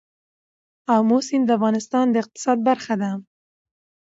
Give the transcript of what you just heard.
آمو سیند د افغانستان د اقتصاد برخه ده.